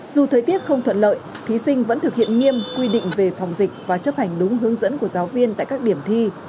dù thời tiết không thuận lợi thí sinh vẫn thực hiện nghiêm quy định về phòng dịch và chấp hành đúng hướng dẫn của giáo viên tại các điểm thi